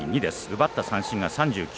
奪った三振が３９。